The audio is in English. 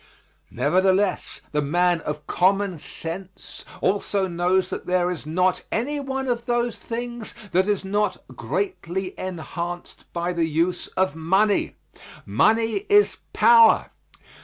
Nevertheless, the man of common sense also knows that there is not any one of those things that is not greatly enhanced by the use of money. Money is power.